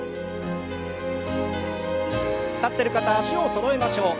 立ってる方は脚をそろえましょう。